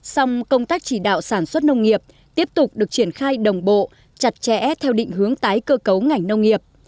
song công tác chỉ đạo sản xuất nông nghiệp tiếp tục được triển khai đồng bộ chặt chẽ theo định hướng tái cơ cấu ngành nông nghiệp